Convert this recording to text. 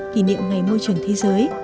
kỷ niệm ngày môi trường thế giới